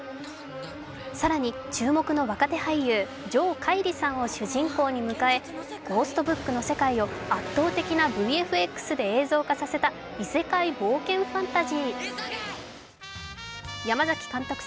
更に注目の若手俳優・城桧吏さんを主人公に迎えＧＨＯＳＴＢＯＯＫの世界を圧倒的なＶＦＸで映像化させた異世界冒険ファンタジー。